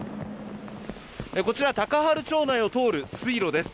こちら、高原町内を通る水路です。